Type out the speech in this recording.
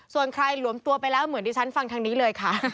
ส่วนใครหลวมตัวไปแล้วเหมือนที่ฉันฟังทางนี้เลยค่ะ